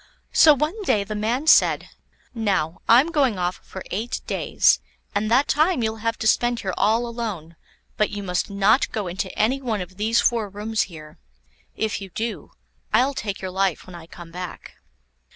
So one day the man said: "Now, I'm going off for eight days, and that time you'll have to spend here all alone; but you must not go into any one of these four rooms here. If you do, I'll take your life when I come back."